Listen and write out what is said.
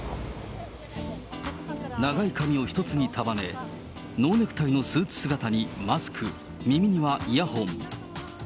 長い髪を一つに束ね、ノーネクタイのスーツ姿にマスク、耳にはイヤホン。